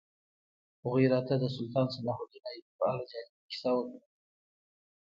هغوی راته د سلطان صلاح الدین ایوبي په اړه جالبه کیسه وکړه.